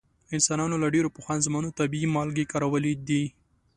انسانانو له ډیرو پخوا زمانو طبیعي مالګې کارولې دي.